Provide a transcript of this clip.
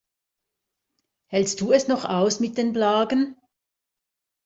Hältst du es noch aus mit den Blagen?